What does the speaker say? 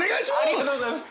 ありがとうございます！